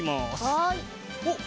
はい。